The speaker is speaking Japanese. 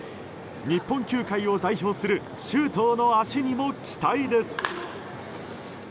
日本球界を代表する周東の足にも期待です。